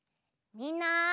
みんな！